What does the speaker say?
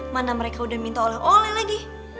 mana mereka udah minta oleh oleh lagi